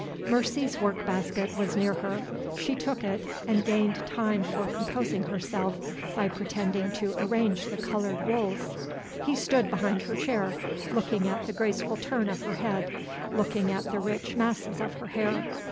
Mercy's work basket was near her. She took it, and gained time for composing herself by pretending to arrange the colored wools. He stood behind her chair, looking at the graceful turn of her head, looking at the rich masses of her hair.